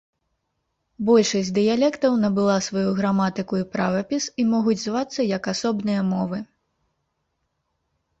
Большасць дыялектаў набыла сваю граматыку і правапіс і могуць звацца як асобныя мовы.